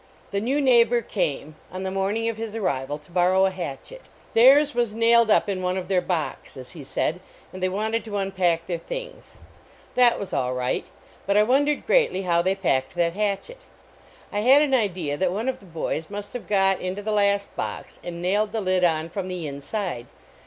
The new neighbor came, on the morning of his arrival, to borrow a hatchet. Theirs was nailed up in one of their boxes, he said, and they wanted to unpack their things. That was all right, but I wondered greatly how they packed that hatchet. I had an idea that one of the boys must have got into the last box, and nailed the lid on from the inside.